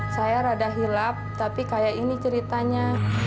saya rada hilap tapi kayak ini ceritanya